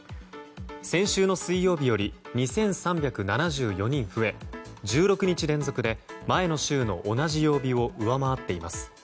先週の水曜日より２３７４人増え１６日連続で前の週の同じ曜日を上回っています。